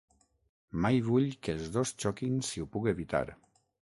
Mai vull que els dos xoquin si ho puc evitar.